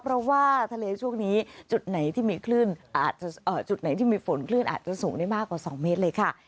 เพราะว่าทะเลช่วงนี้จุดไหนที่มีคลื่นอาจจะจุดไหนที่มีฝนคลื่นอาจจะสูงได้มากกว่า๒เมตรเลยค่ะ